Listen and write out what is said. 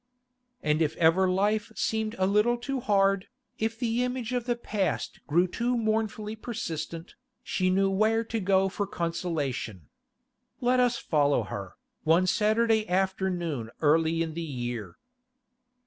And if ever life seemed a little too hard, if the image of the past grew too mournfully persistent, she knew where to go for consolation. Let us follow her, one Saturday afternoon early in the year.